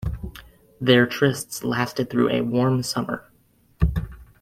Their trysts lasted through a warm summer.